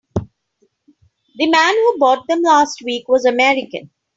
The man who bought them last week was American.